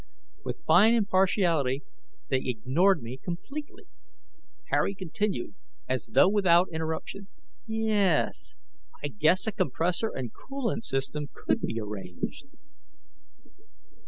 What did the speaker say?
_" With fine impartiality, they ignored me completely. Harry continued, as though without interruption, "Ye es, I guess a compressor and coolant system could be arranged